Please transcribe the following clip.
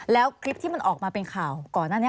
แล้วคลิปที่มันออกมาเป็นข่าวก่อนหน้านี้